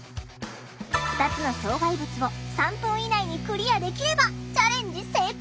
２つの障害物を３分以内にクリアできればチャレンジ成功！